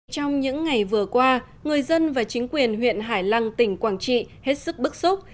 trong những ngày vừa qua người dân và chính quyền huyện hải lăng tỉnh quảng trị hết sức bức xúc